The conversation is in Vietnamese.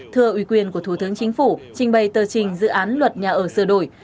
thưa ủy quyền của thủ tướng chính phủ trình bày tờ trình dự án luật nhà ở sửa đổi